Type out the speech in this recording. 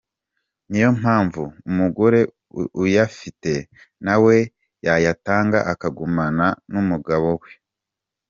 Niyo mpamvu umugore uyafite nawe yayatanga akagumana n’umugabo we.